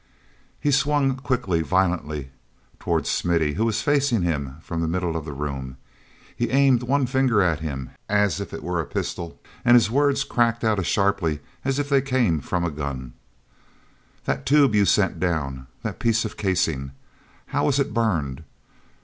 He swung quickly, violently, toward Smithy who was facing him from the middle of the room. He aimed one finger at him as if it were a pistol, and his words cracked out as sharply as if they came from a gun: "That tube you sent down—that piece of casing! How was it burned?